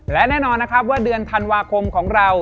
และแน่นอนนะครับว่าเดือนธันวาคมของเรา